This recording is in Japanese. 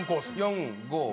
４５。